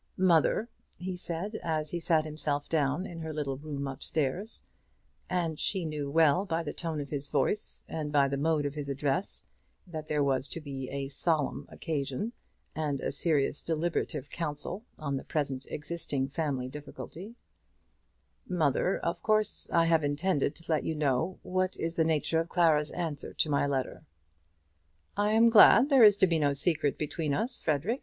"Mother," he said, as he sat himself down in her little room up stairs; and she knew well by the tone of his voice, and by the mode of his address, that there was to be a solemn occasion, and a serious deliberative council on the present existing family difficulty, "mother, of course I have intended to let you know what is the nature of Clara's answer to my letter." "I am glad there is to be no secret between us, Frederic.